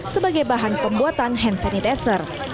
sebagai bahan pembuatan hand sanitizer